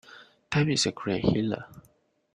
Time is a great healer.